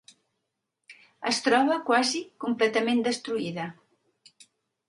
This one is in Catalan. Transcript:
Es troba quasi completament destruïda.